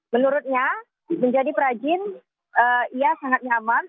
menurutnya menjadi perajin ia sangat nyaman